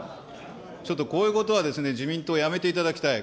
ちょっとこういうことはですね、自民党はやめていただきたい。